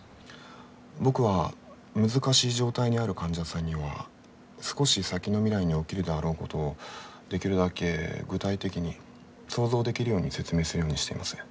僕は難しい状態にある患者さんには少し先の未来に起きるであろうことをできるだけ具体的に想像できるように説明するようにしています。